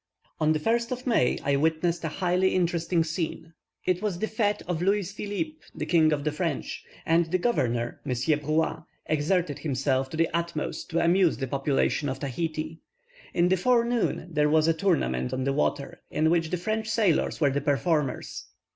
On the 1st of May I witnessed a highly interesting scene. It was the fete of Louis Philippe, the King of the French; and the governor, Monsieur Bruat, exerted himself to the utmost to amuse the population of Tahiti. In the forenoon, there was a tournament on the water, in which the French sailors were the performers.